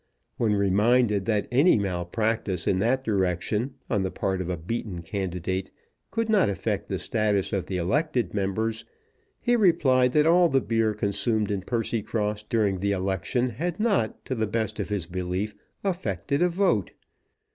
When reminded that any malpractice in that direction on the part of a beaten candidate could not affect the status of the elected members, he replied that all the beer consumed in Percycross during the election had not, to the best of his belief, affected a vote.